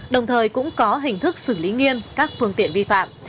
đồng thời cũng có hình thức xử lý nghiêm các phương tiện vi phạm